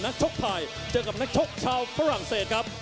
ชกไทยเจอกับนักชกชาวฝรั่งเศสครับ